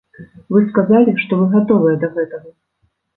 Вы сказалі, што вы гатовыя да гэтага.